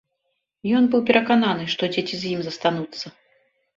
Ён быў перакананы, што дзеці з ім застануцца.